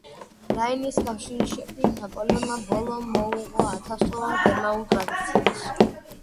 რაინის კავშირის შექმნით ნაპოლეონმა ბოლო მოუღო ათასწლოვან გერმანულ ტრადიციას.